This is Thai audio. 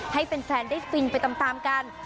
ให้เป็นแฟนได้ฟินไปตามตามกัน